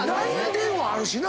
電話あるしな。